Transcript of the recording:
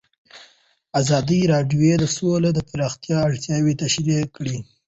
ازادي راډیو د سوله د پراختیا اړتیاوې تشریح کړي.